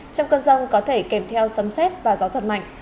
trong cơn rông có thể kèm theo sấm xét và gió giật mạnh